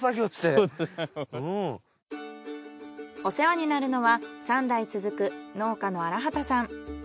お世話になるのは３代続く農家の荒幡さん。